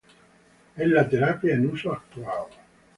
Es la terapia en uso actual.